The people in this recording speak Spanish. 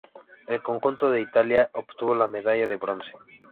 El conjunto de Italia obtuvo la medalla de bronce.